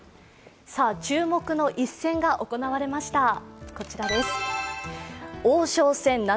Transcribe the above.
注目の一戦が行われました。